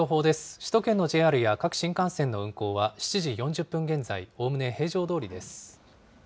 首都圏のＪＲや各新幹線の運行は、７時４０分現在、おおむね平常どおりです。